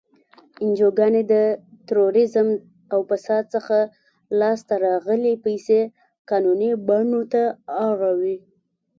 انجوګانې د تروریزم او فساد څخه لاس ته راغلی پیسې قانوني بڼو ته اړوي.